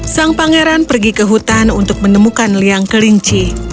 sang pangeran pergi ke hutan untuk menemukan liang kelinci